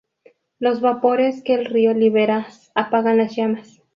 Los vapores que el río libera apagan las llamas.